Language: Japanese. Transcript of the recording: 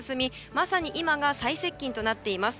まさに今が最接近となっています。